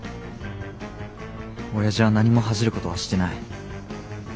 親父は何も恥じることはしてない。